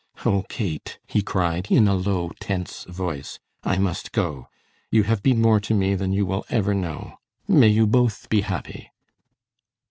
"Oh, Kate," he cried, in a low, tense voice, "I must go. You have been more to me than you will ever know. May you both be happy."